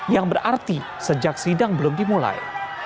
yang berarti sejak sidang belum dimulai